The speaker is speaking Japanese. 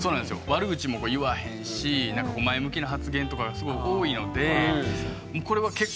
悪口も言わへんしなんか前向きな発言とかがすごい多いのでこれは早い。